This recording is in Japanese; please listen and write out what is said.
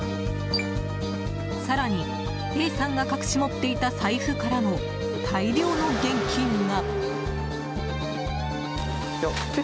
更に、Ａさんが隠し持っていた財布からも、大量の現金が。